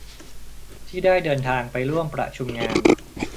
ที่ได้เดินทางไปร่วมประชุมงาน